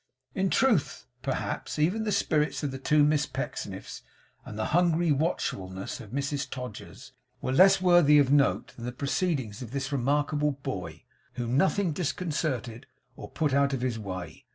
In truth, perhaps even the spirits of the two Miss Pecksniffs, and the hungry watchfulness of Mrs Todgers, were less worthy of note than the proceedings of this remarkable boy, whom nothing disconcerted or put out of his way.